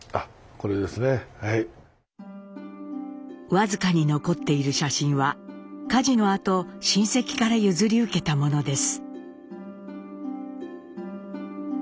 僅かに残っている写真は火事のあと親戚から譲り受けたものです。